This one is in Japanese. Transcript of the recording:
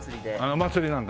お祭りなんだ。